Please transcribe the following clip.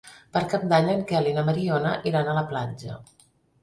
Per Cap d'Any en Quel i na Mariona iran a la platja.